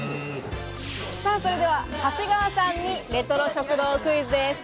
それでは長谷川さんにレトロ食堂クイズです。